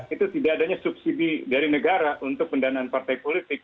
itu tidak adanya subsidi dari negara untuk pendanaan partai politik